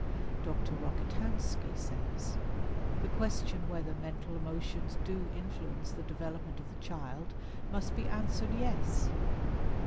Dr. Rokitansky says: "The question whether mental emotions do influence the development of the child must be answered 'Yes!'"